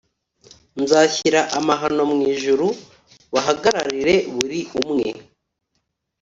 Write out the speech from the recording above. Nzashyira amahano mu ijuru hejuru bagaragarire buri umwe